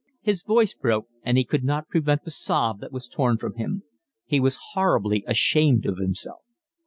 His voice broke, and he could not prevent the sob that was torn from him. He was horribly ashamed of himself.